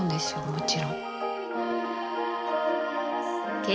もちろん。